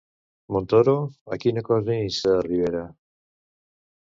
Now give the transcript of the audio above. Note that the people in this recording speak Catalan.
Montoro, a quina cosa insta a Rivera?